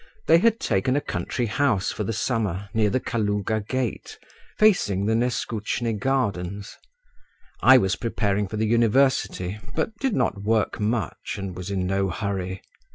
They had taken a country house for the summer near the Kalouga gate, facing the Neskutchny gardens. I was preparing for the university, but did not work much and was in no hurry.